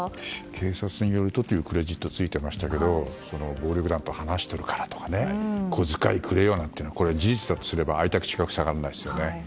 警察によるとっていうクレジットがついていましたが暴力団と話しているからとか小遣いくれよというのが事実だとすれば開いた口が塞がらないですよね。